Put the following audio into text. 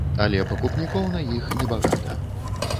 Але пакупнікоў на іх небагата.